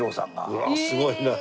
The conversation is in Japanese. うわあすごいなあ。